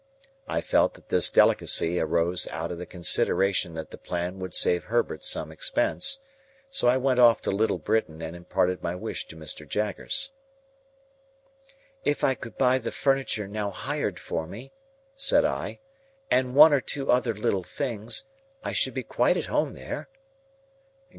I felt that this delicacy arose out of the consideration that the plan would save Herbert some expense, so I went off to Little Britain and imparted my wish to Mr. Jaggers. "If I could buy the furniture now hired for me," said I, "and one or two other little things, I should be quite at home there."